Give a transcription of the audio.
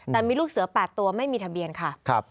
แต่มีลูกเสือ๘ตัวไม่มีทะเบียนค่ะ